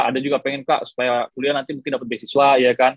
ada juga pengen kak supaya kuliah nanti mungkin dapat beasiswa ya kan